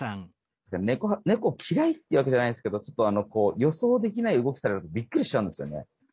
猫嫌いってわけじゃないんですけど予想できない動きされるとびっくりしちゃうんですよね。